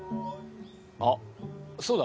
あっそうだ。